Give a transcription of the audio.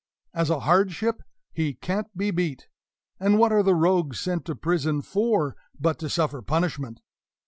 As a hardship, he can't be beat; and what are the rogues sent to prison for but to suffer punishment?